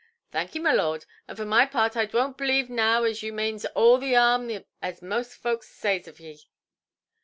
"Thank 'ee, my lard, and vor my peart I dwoanʼt bʼleeve now as you manes all the 'arm as most volks says of 'ee".